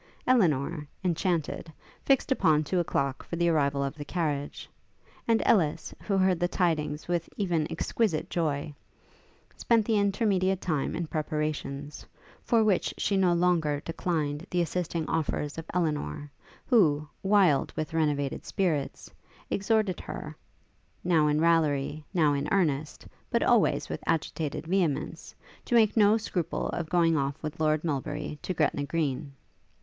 Elinor, enchanted, fixed upon two o'clock for the arrival of the carriage; and Ellis, who heard the tidings with even exquisite joy, spent the intermediate time in preparations, for which she no longer declined the assisting offers of Elinor, who, wild with renovated spirits, exhorted her, now in raillery, now in earnest, but always with agitated vehemence, to make no scruple of going off with Lord Melbury to Gretna Green.